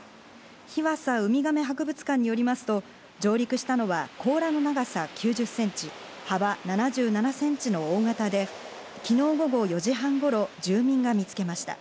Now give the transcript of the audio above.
日和佐うみがめ博物館によりますと、上陸したのは甲羅の長さ９０ｃｍ、幅７７ｃｍの大型で、昨日午後４時半頃、住民が見つけました。